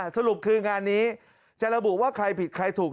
สรุปคืองานนี้จะระบุว่าใครผิดใครถูก